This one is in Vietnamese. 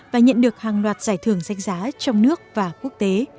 và nhận được hàng loạt giải thưởng danh giá trong nước và quốc tế